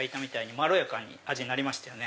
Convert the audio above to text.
まろやかな味になりましたよね。